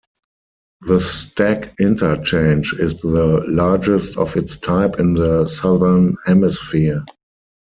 The stack interchange is the largest of its type in the southern hemisphere.